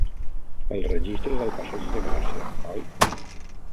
El registre és al Passeig de Gràcia, oi?